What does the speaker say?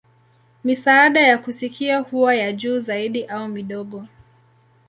Misaada ya kusikia huwa ya juu zaidi au midogo.